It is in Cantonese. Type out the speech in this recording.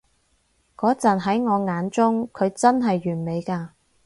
嗰陣喺我眼中，佢真係完美㗎